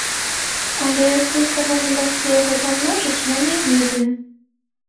Але, як хутка нам удасца яго памножыць, я не ведаю.